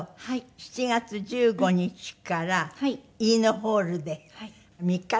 ７月１５日からイイノホールで３日間。